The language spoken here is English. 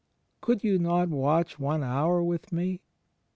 Could you not watch one hour with Me?"